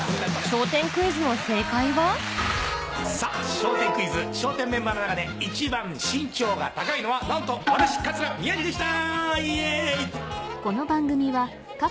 笑点クイズ笑点メンバーの中で一番身長が高いのはなんと私桂宮治でした！